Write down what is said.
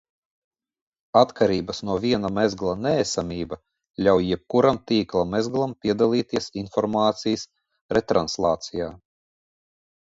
Atkarības no viena mezgla neesamība ļauj jebkuram tīkla mezglam piedalīties informācijas retranslācijā.